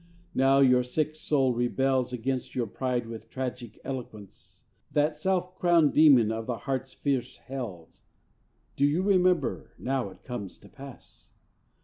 now your sick soul rebels Against your pride with tragic eloquence, That self crowned demon of the heart's fierce hells. Do you remember, now it comes to pass?